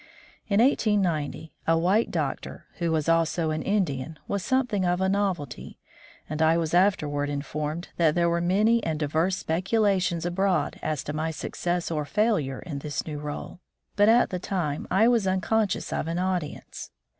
In 1890 a "white doctor" who was also an Indian was some thing of a novelty, and I was afterward in formed that there were many and diverse speculations abroad as to my success or failure in this new r61e, but at the time I was unconscious of an audience.